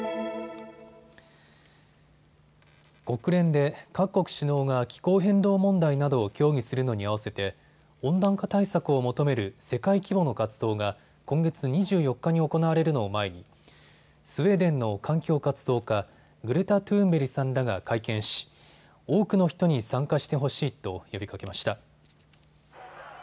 国連で各国首脳が気候変動問題などを協議するのに合わせて温暖化対策を求める世界規模の活動が今月２４日に行われるのを前にスウェーデンの環境活動家、グレタ・トゥーンベリさんらが会見し、多くの人に参加してほしいと呼びかけました。